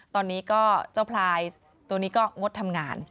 ตอนนี้ก็เจ้าพลายตัวนี้ก็งดทำงาน